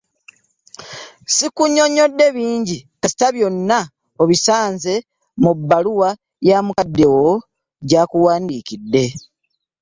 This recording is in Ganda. Sikunnyonnyodde bingi kasita byonna obisanze mu baluwa ya mukadde wo gy'akuwandiikidde.